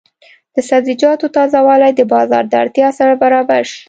د سبزیجاتو تازه والي د بازار د اړتیا سره برابر شي.